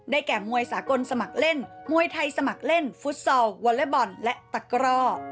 แก่มวยสากลสมัครเล่นมวยไทยสมัครเล่นฟุตซอลวอเล็กบอลและตะกร่อ